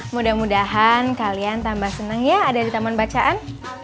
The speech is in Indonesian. mudah mudahan kalian tambah senang ya ada di taman bacaan